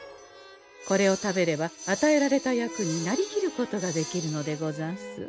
これを食べればあたえられた役になりきることができるのでござんす。